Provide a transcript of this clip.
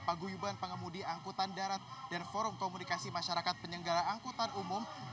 paguyuban pengemudi angkutan darat dan forum komunikasi masyarakat penyelenggara angkutan umum